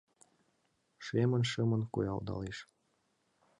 Шемын-шемын койылдалеш